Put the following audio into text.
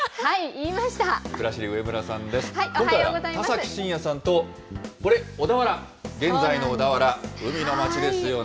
今回は田崎真也さんと、これ、小田原、現在の小田原、海の町ですよね。